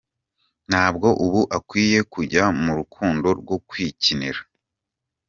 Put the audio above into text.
Ntabwo uba ukwiye kujya mu rukundo rwo kwikinira.